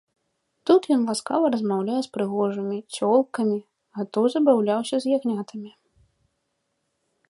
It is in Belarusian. Тут ён ласкава размаўляе з прыгожымі цёлкамі, а то забаўляўся з ягнятамі.